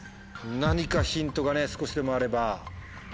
何かヒントがね少しでもあれば。